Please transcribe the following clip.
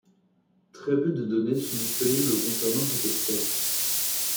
Très peu de données sont disponibles concernant cette espèce.